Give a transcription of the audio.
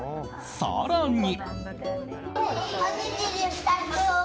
更に。